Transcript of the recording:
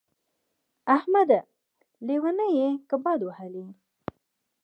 احمده! لېونی يې که باد وهلی يې.